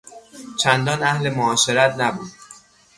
چندان اهل معاشرت نبود.